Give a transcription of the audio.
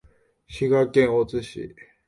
滋賀県大津市